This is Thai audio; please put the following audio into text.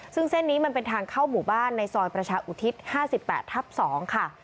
ซึ่งเส้นนี้มันเป็นทางเข้าหมู่บ้านในซอยประชาอุทิศ๕๘ทับ๒ค่ะ